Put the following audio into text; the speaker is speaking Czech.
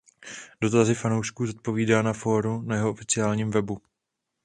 Dotazy fanoušků zodpovídá na fóru na jeho oficiálním webu.